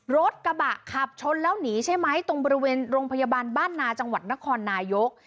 รถกระบะขับชนแล้วหนีใช่ไหมตรงบริเวณโรงพยาบาลบ้านนาจังหวัดนครนายก